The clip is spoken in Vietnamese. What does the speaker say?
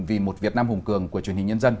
vì một việt nam hùng cường của truyền hình nhân dân